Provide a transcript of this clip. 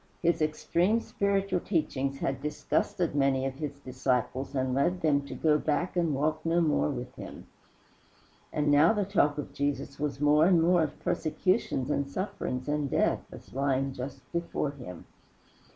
His extreme spiritual teachings had disgusted many of his disciples and led them to go back and walk no more with him. And now the talk of Jesus was more and more of persecutions and sufferings and death, as lying just before him.